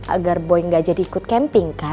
agar boeing gak jadi ikut camping kan